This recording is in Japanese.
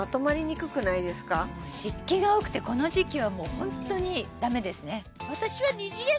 湿気が多くてこの時期はホントにだめですね